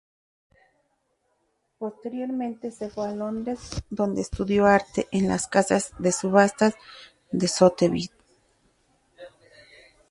Posteriormente, se fue a Londres, donde estudió arte en la casa de subastas Sotheby's.